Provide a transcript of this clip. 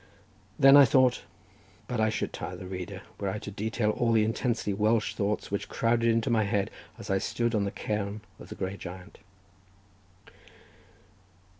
Then I thought— But I should tire the reader were I to detail all the intensely Welsh thoughts, which crowded into my head as I stood on the Cairn of the Grey Giant.